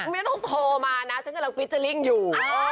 ไม่ต้องโทรมานะฉันกำลังฟิเจอร์ลิ่งอยู่